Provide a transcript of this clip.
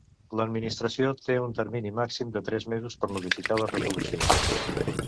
L'Administració té un termini màxim de tres mesos per notificar la resolució.